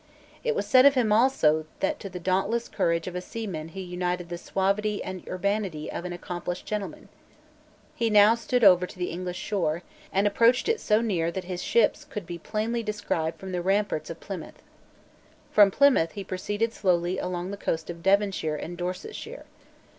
It was said of him, also, that to the dauntless courage of a seaman he united the suavity and urbanity of an accomplished gentleman, He now stood over to the English shore, and approached it so near that his ships could be plainly descried from the ramparts of Plymouth. From Plymouth he proceeded slowly along the coast of Devonshire and Dorsetshire.